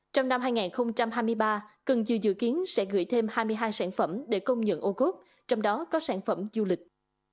trong năm hai nghìn hai mươi ba cần dừa dự kiến sẽ gửi thêm hai mươi hai sản phẩm để công nhận ô cốt trong đó có sản phẩm du lịch